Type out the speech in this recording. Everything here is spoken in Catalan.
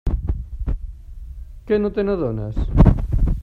Que no te n'adones?